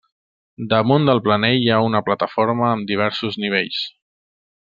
Damunt del planell hi ha una plataforma amb diversos nivells.